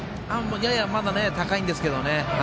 やや、まだ高いんですけど。